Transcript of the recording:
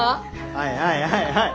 はいはいはいはい。